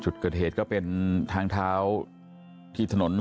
จุดเกิดเหตุก็เป็นทางเท้าที่ถนน